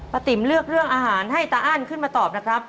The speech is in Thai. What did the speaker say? ติ๋มเลือกเรื่องอาหารให้ตาอั้นขึ้นมาตอบนะครับ